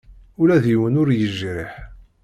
Ula d yiwen ur yejriḥ.